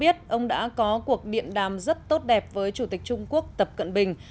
donald trump cho biết ông đã có cuộc điện đàm rất tốt đẹp với chủ tịch trung quốc tập cận bình